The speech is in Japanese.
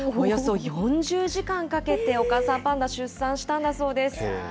およそ４０時間かけて、お母さんパンダ出産したんだそうです。